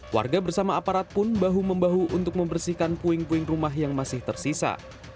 warga bersama aparat pun bahu membahu untuk membersihkan puing puing rumah yang masih tersisa